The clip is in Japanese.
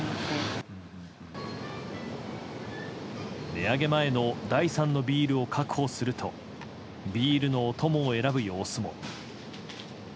値上げ前の第三のビールを確保するとビールのお供を選ぶ様子も。